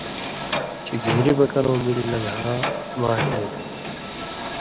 چےۡ گھېن٘ری بکرؤں ملی لن٘گھا، ماݜ اے۔